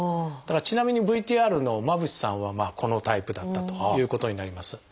ちなみにＶＴＲの間渕さんはこのタイプだったということになります。